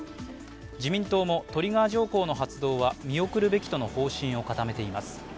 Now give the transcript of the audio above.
自民党もトリガー条項の発動は見送るべきとの方針を固めています。